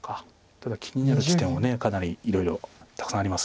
ただ気になる地点はかなりいろいろたくさんあります。